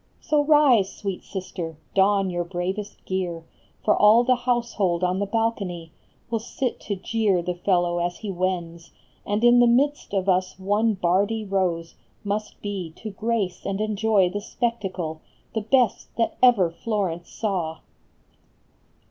So rise, sweet sister, don your bravest gear, For all the household on the balcony Will sit to jeer the fellow as he wends, And in the midst of us one Bardi Rose Must be to grace and enjoy the spectacle, The best that ever Florence saw